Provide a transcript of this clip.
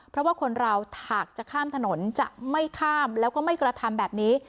เพราะว่าคนเราถากจะข้ามถนนจะไม่ข้ามแล้วก็ไม่กระทำแบบนี้